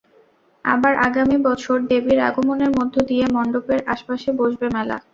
আবার আগামী বছর দেবীর আগমনের মধ্য দিয়ে মণ্ডপের আশপাশে বসবে মেলা।